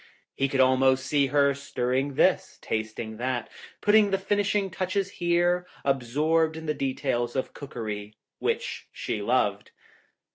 He could almost see her stir ring this, tasting that, putting the finishing touches here, absorbed in the details of cook ery, which she loved.